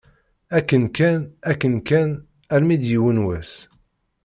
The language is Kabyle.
Akken kan, akken kan, almi d yiwen wass.